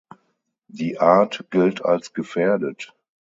Die Art gilt als gefährdet.